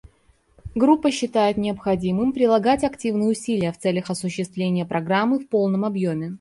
Группа считает необходимым прилагать активные усилия в целях осуществления Программы в полном объеме.